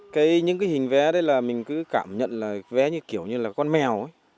cái những cái hình vé đấy là mình cứ cảm nhận là vé như kiểu như là con mèo ấy